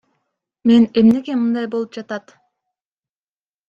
Мен эмнеге мындай болуп жатат?